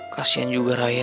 kasian juga raya